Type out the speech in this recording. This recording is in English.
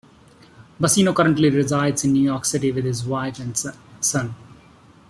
Bacino currently resides in New York City with his wife and son.